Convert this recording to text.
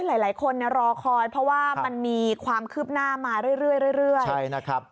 หลายคนรอคอยเพราะว่ามันมีความคืบหน้ามาเรื่อยนะครับ